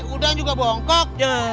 udang juga bongkok